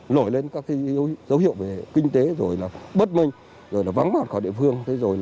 lổi lên các dấu hiệu về kinh tế bất minh vắng mặt khỏi địa phương